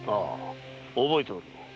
覚えておる。